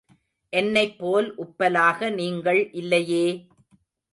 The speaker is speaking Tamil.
என்னைப் போல் உப்பலாக நீங்கள் இல்லையே!